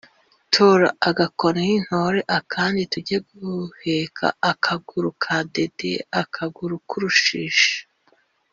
Tora agakoni ntore akandi tujye guheka akaguru ka Dede-Akaguru k'urushishi.